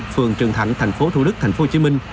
phường trường thạnh thành phố thủ đức thành phố hồ chí minh